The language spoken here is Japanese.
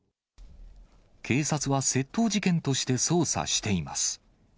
警察は、窃盗事件として捜査しています。